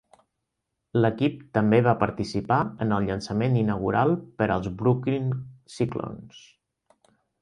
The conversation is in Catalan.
L'equip també va participar en el llançament inaugural per als Brooklyn Cyclones.